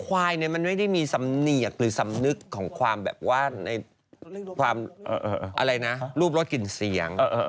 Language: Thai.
ควายเนี่ยมันไม่ได้มีสำเนียกหรือสำนึกของความแบบว่าในความอะไรนะรูปลดกลิ่นเสียง